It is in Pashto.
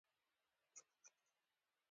قلم د ملتونو غږ دی